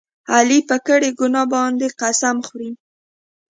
علي په کړې ګناه باندې قسم خوري.